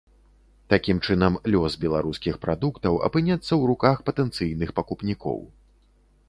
Такім чынам, лёс беларускіх прадуктаў апынецца ў руках патэнцыйных пакупнікоў.